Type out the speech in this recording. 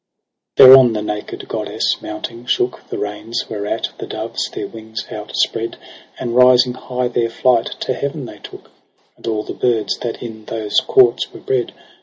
7 Thereon the naked goddess mounting, shook The reins j whereat the doves their wings out spread. And rising high their flight to heaven they took : And all the birds, that in those courts were bred.